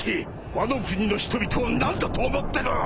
ワノ国の人々を何だと思ってる。